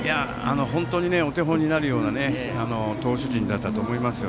本当にお手本になるような投手陣だったと思います。